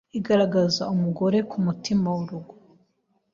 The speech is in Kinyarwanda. igaragaza umugore nk’umutima w’urugo